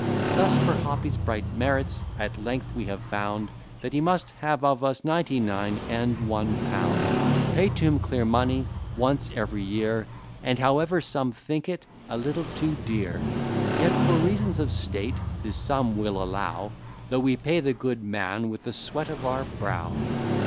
Thus, for Hoppy's bright merits, at length we have found That he must have of us ninety nine and one pound, Paid to him clear money once every year: And however some think it a little too dear, Yet, for reasons of state, this sum we'll allow, Though we pay the good man with the sweat of our brow.